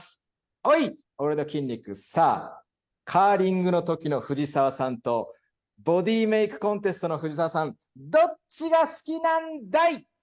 おい、俺の筋肉、さあ、カーリングのときの藤澤さんと、ボディメイクコンテストの藤澤さん、どっちが好きなんだい？